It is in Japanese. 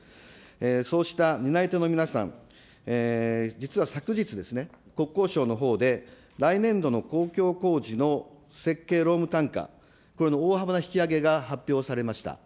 そうした担い手の皆さん、実は昨日、国交省のほうで、来年度の公共工事の設計労務単価、これの大幅な引き上げが発表されました。